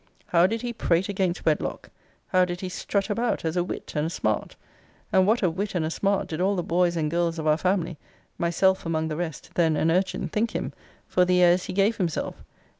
How did he prate against wedlock! how did he strut about as a wit and a smart! and what a wit and a smart did all the boys and girls of our family (myself among the rest, then an urchin) think him, for the airs he gave himself?